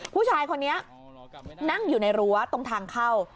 ผู้ชายคนนี้นั่งอยู่ในรั้วตรงทางเข้า